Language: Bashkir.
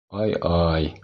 Ай-ай!